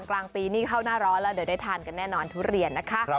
กลางปีนี่เข้าหน้าร้อนแล้วเดี๋ยวได้ทานกันแน่นอนทุเรียนนะคะ